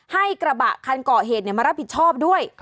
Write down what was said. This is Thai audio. กระบะคันก่อเหตุมารับผิดชอบด้วย